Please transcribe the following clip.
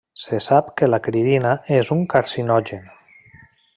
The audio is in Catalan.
Se sap que l'acridina és un carcinogen.